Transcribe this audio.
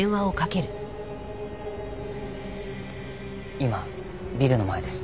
今ビルの前です。